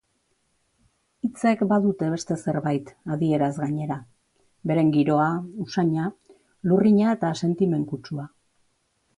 Hitzek badute beste zerbait, adieraz gainera: beren giroa, usaina, lurrina eta sentimen kutsua.